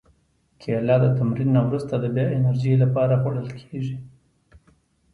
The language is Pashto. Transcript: کېله د تمرین نه وروسته د بیا انرژي لپاره خوړل کېږي.